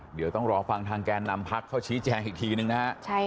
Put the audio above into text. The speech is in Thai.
เดี๋ยวต้องรอฟังทางแกนนำพักเขาชี้แจงอีกทีนึงนะฮะ